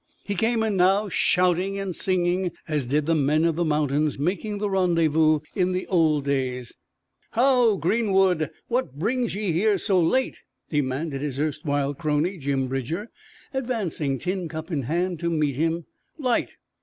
He came in now, shouting and singing, as did the men of the mountains making the Rendezvous in the old days. "How, Greenwood! What brings ye here so late?" demanded his erstwhile crony, Jim Bridger, advancing, tin cup in hand, to meet him. "Light.